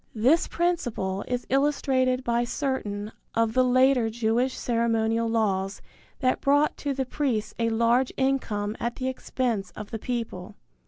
This principle is illustrated by certain of the later Jewish ceremonial laws that brought to the priests a large income at the expense of the people.